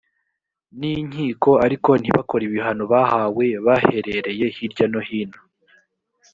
n inkiko ariko ntibakore ibihano bahawe baherereye hirya no hino